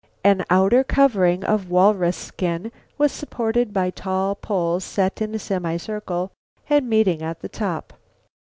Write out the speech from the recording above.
An outer covering of walrus skin was supported by tall poles set in a semicircle and meeting at the top.